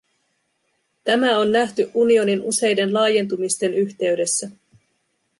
Tämä on nähty unionin useiden laajentumisten yhteydessä.